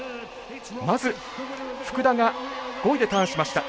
まず福田が５位でターンしました。